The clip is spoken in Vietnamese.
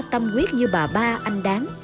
tâm quyết như bà ba anh đáng